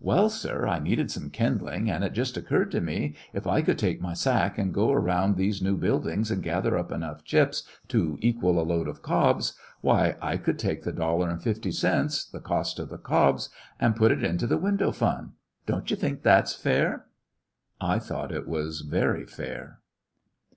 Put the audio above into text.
Well, sir, I needed some kindling, and it just occurred to me if I could take my sack and go around those new buildings and gather up enough chips to equal a load of cobs, why, I could take the dollar and fifty cents, the cost of the cobs, and put it into the window fund. Don't you think that 's fair!" I thought it was very fair.